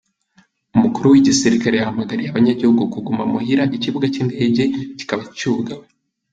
Umukuru w'igisirikare yahamagariye abanyagihugu kuguma muhira, ikibuga c'indege kikaba cugawe.